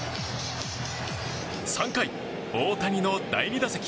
３回、大谷の第２打席。